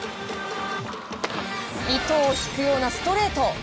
糸を引くようなストレート！